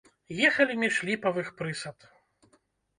Ехалі між ліпавых прысад.